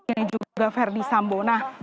dan juga verdi sambona